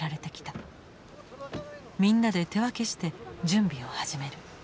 みんなで手分けして準備を始める。